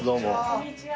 こんにちは。